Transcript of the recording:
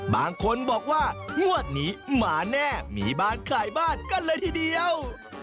บางคนบอกว่างวดนี้หมาแน่มีบ้านขายบ้านกันเลยทีเดียว